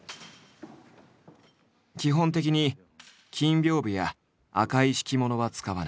基本的に金びょうぶや赤い敷物は使わない。